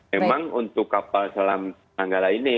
memang untuk kapal selama tanggal ini